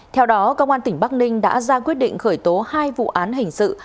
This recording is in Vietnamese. theo đó công an tỉnh bắc ninh đã ra quyết định khởi tố hai vụ án hình sự